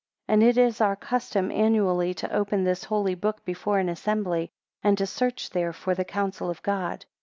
10 And it is our custom annually to open this holy book before an assembly, and to search there for the counsel of God.